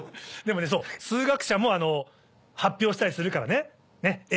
数学者も発表したりするからね。